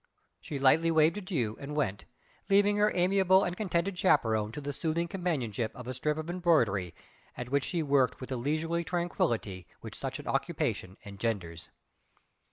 She lightly waved adieu and went, leaving her amiable and contented chaperone to the soothing companionship of a strip of embroidery at which she worked with the leisurely tranquillity which such an occupation engenders.